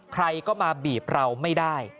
ใครก็มาบีบเราไม่ได้